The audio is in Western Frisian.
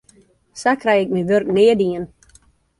Sa krij ik myn wurk nea dien.